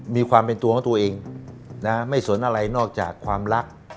มีความเป็นตัวของตัวเองนะไม่สนอะไรนอกจากความรัก